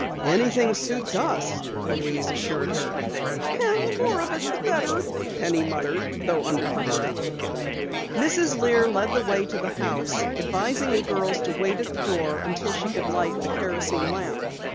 "Anything suits us," Louise assured her. "And the more of it, the better," Penny muttered, though under her breath. Mrs. Lear led the way to the house, advising the girls to wait at the door until she could light a kerosene lamp.